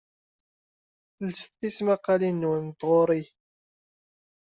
Lset tismaqqalin-nwen n tɣuri.